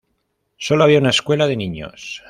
Solo había una escuela de niños.